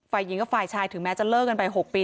ไฟหยิงก็ไฟชายถึงแม้จะเลิกกันไป๖ปี